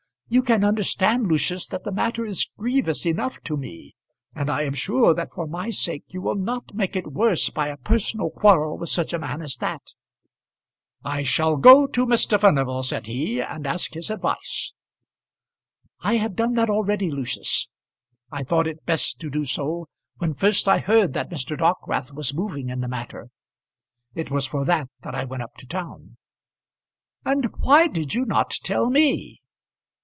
You can understand, Lucius, that the matter is grievous enough to me; and I am sure that for my sake you will not make it worse by a personal quarrel with such a man as that." "I shall go to Mr. Furnival," said he, "and ask his advice." "I have done that already, Lucius. I thought it best to do so, when first I heard that Mr. Dockwrath was moving in the matter. It was for that that I went up to town." "And why did you not tell me?"